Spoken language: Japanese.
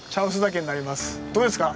どうですか？